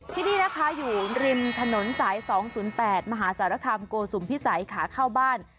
ที่นี่นะคะอยู่ริมถนนสาย๒๐๘มหาสารคามโกสุมพิสัยขาเข้าบ้าน